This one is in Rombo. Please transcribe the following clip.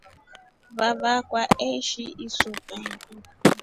Vavakwa eshi isuka.